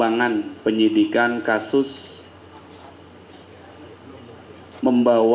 assalamualaikum wr wb